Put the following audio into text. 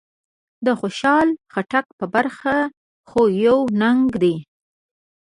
د خوشحال خټک په برخه خو يو ننګ دی.